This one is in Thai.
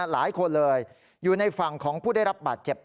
หลายคนเลยอยู่ในฝั่งของผู้ได้รับบาดเจ็บ